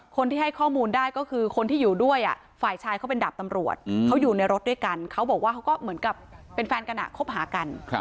คนที่ให้ข้อมูลได้ก็คือคนที่อยู่ด้วยฝ่ายชายเขาเป็นดาบตำรวจเขาอยู่ในรถด้วยกันเขาบอกว่าเขาก็เหมือนกับเป็นแฟนกันคบหากัน